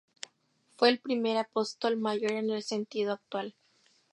Fue el primer Apóstol Mayor en el sentido actual.